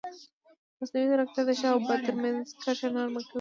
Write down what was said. مصنوعي ځیرکتیا د ښه او بد ترمنځ کرښه نرمه کوي.